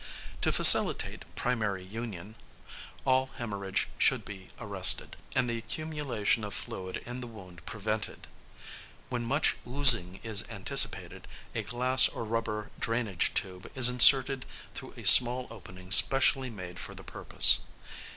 To facilitate primary union, all hæmorrhage should be arrested, and the accumulation of fluid in the wound prevented. When much oozing is anticipated, a glass or rubber drainage tube is inserted through a small opening specially made for the purpose.